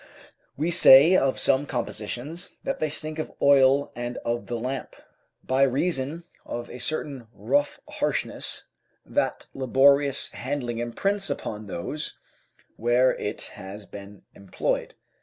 We say of some compositions that they stink of oil and of the lamp, by reason of a certain rough harshness that laborious handling imprints upon those where it has been employed.